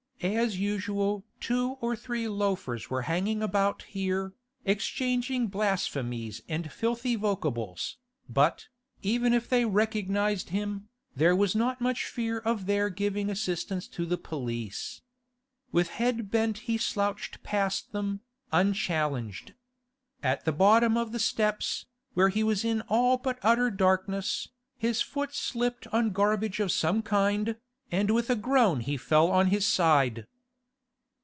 As usual, two or three loafers were hanging about here, exchanging blasphemies and filthy vocables, but, even if they recognised him, there was not much fear of their giving assistance to the police. With head bent he slouched past them, unchallenged. At the bottom of the steps, where he was in all but utter darkness, his foot slipped on garbage of some kind, and with a groan he fell on his side.